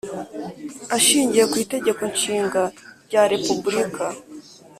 Ashingiye ku itegeko nshinga rya repuburika